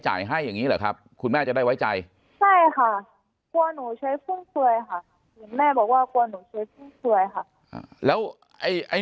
จ่ายให้อย่างนี้หรือครับคุณแม่จะได้ไว้ใจแม่บอกว่าแล้วไอ้